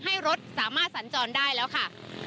ให้รถสามารถสัญจรได้แล้วค่ะ